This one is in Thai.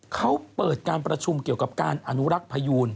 เขาเปิดการประชุมเกี่ยวกับการอนุรักษ์พยูน